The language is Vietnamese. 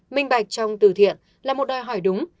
minh bạch trong từ thiện là một đòi hỏi đúng